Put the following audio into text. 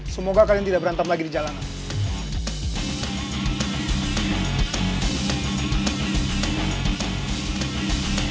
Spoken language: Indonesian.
semoga kalian tidak berantem lagi di jalanan